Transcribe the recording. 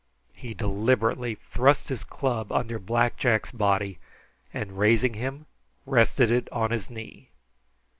He deliberately thrust his club under Black Jack's body, and, raising him, rested it on his knee.